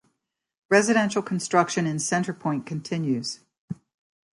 Residential construction in Centrepointe continues.